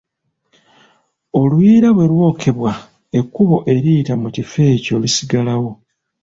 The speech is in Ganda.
Oluyiira bwe lwokyebwa ekkubo eriyita mu kifo ekyo lisigalawo.